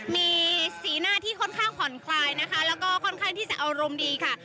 มีสีหน้าที่ค่อนข้างผ่อนคลายนะคะแล้วก็ค่อนข้างที่จะอารมณ์ดีค่ะ